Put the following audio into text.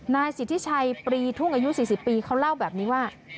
นายสิทธิชัยปรีทุ่งอายุ๔๐ปีเขาเล่าแบบนี้ว่า